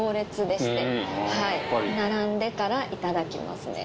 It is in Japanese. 並んでからいただきますね。